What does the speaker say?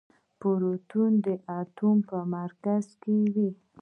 پروتون د اتوم په مرکز کې وي.